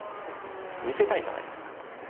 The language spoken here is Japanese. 見せたいじゃないですか。